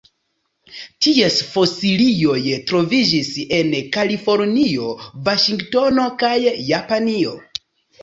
Ties fosilioj troviĝis en Kalifornio, Vaŝingtono kaj Japanio.